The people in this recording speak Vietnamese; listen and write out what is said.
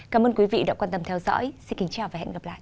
cảm ơn quý vị đã quan tâm theo dõi xin kính chào và hẹn gặp lại